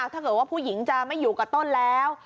ถ้าเกิดว่าผู้หญิงจะไม่อยู่กับต้นแล้ว